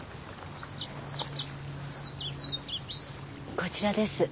こちらです。